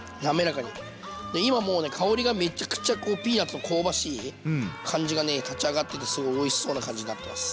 で今もうね香りがめちゃくちゃピーナツの香ばしい感じがね立ち上がっててすごいおいしそうな感じになってます。